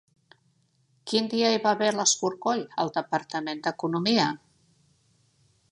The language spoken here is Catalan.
Quin dia hi va haver l'escorcoll al Departament d'Economia?